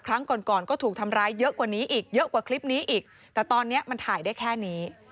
ครั้งก่อนก่อนก็ถูกทำร้ายเยอะกว่านี้อีกเยอะกว่าคลิปนี้อีกแต่ตอนนี้มันถ่ายได้แค่นี้